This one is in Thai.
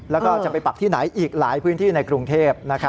แล้วก็จะไปปักที่ไหนอีกหลายพื้นที่ในกรุงเทพ